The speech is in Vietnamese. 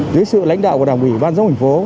dưới sự lãnh đạo của đảng ủy ban giáo hội phố